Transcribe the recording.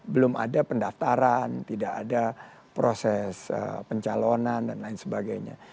belum ada pendaftaran tidak ada proses pencalonan dan lain sebagainya